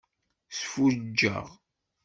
Sfuǧǧeɣ.